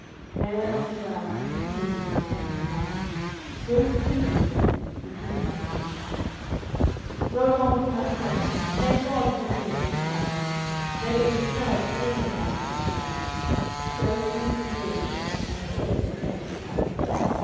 There on the ground he sees his nephew lie. Most sweetly then begins he to repine: "Rollant, my friend, may God to thee be kind! Never beheld any man such a knight So to engage and so to end a fight.